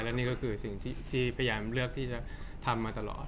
และนี่ก็คือสิ่งที่พยายามเลือกที่จะทำมาตลอด